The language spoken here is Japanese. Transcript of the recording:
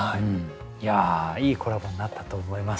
いやいいコラボになったと思います。